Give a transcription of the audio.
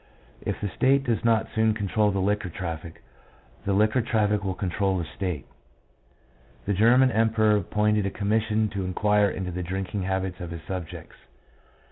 If the state does not soon control the liquor traffic, the liquor traffic will control the state." The German Emperor appointed a commission to inquire into the drinking habits of his subjects.